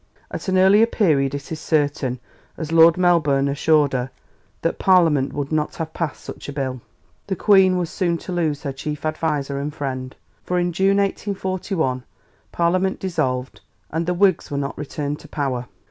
At an earlier period it is certain, as Lord Melbourne assured her, that Parliament would not have passed such a Bill. The Queen was soon to lose her chief adviser and friend, for in June 1841 Parliament dissolved and the Whigs were not returned to power.